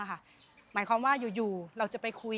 หมายความว่าอยู่เราจะไปคุย